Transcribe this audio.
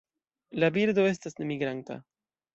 La birdo estas nemigranta.